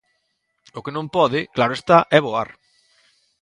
O que non pode, claro está, é voar.